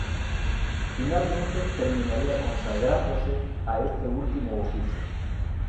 Finalmente terminaría consagrándose a este último oficio.